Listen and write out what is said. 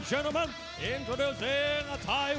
ตอนนี้มวยกู้ที่๓ของรายการ